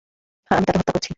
হ্যা, আমি তাকে হত্যা করছি।